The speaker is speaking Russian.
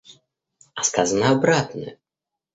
А сказано обратное.